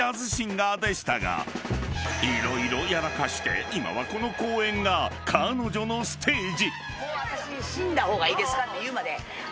［色々やらかして今はこの公園が彼女のステージ］